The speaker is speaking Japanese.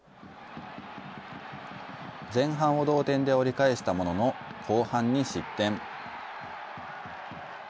前半を同点で折り返したものの、後半に失点。